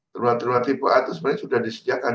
terminal tipe a itu sebenarnya sudah disediakan